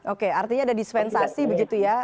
oke artinya ada dispensasi begitu ya